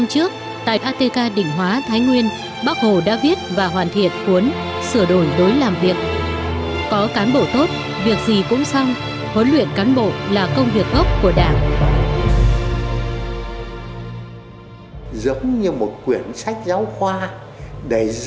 hãy đăng ký kênh để ủng hộ kênh của chúng mình nhé